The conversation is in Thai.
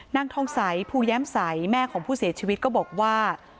นางทองใสภูแย้มใสแม่ของผู้เสียชีวิตก็บอกว่า